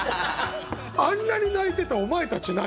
「あんなに泣いてたお前たち何？」